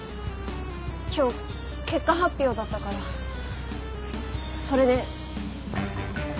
今日結果発表だったからそれで。